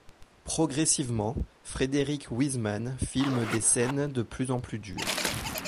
Progressivement, Frederick Wiseman filme des scènes de plus en plus dures.